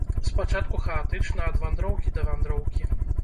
Спачатку хаатычна, ад вандроўкі да вандроўкі.